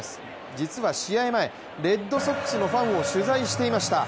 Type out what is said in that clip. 実は試合前、レッドソックスのファンを取材していました。